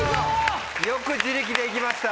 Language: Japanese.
よく自力で行きました。